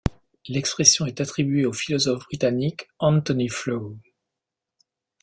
L'expression est attribuée au philosophe britannique Antony Flew.